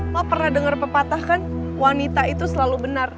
nah lo pernah denger pepatah kan wanita itu selalu benar